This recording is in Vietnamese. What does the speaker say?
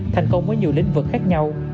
thành công với nhiều lĩnh vực khác nhau